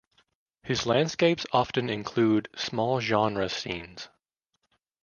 His landscapes often include small genre scenes.